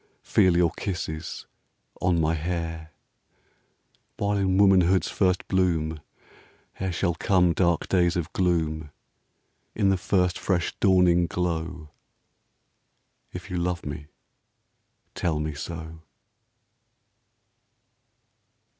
Feel your kisses on my hair ; While in womanhood's first bloom, Ere shall come dark days of gloom, In the first fresh dawning glow, — If you love me, tell me so.